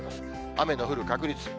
雨の降る確率。